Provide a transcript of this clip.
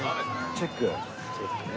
チェックね。